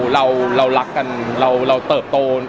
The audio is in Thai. เรารักกันเราเติบโต